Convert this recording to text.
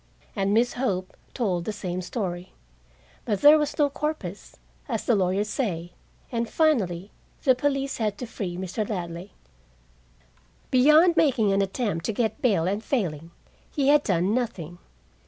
And Miss Hope told the same story. But there was no corpus, as the lawyers say, and finally the police had to free Mr. Ladley. Beyond making an attempt to get bail, and failing, he had done nothing.